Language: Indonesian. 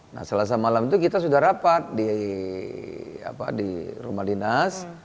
nah selasa malam itu kita sudah rapat di rumah dinas